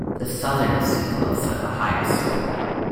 The Southern sea-cliffs are the highest.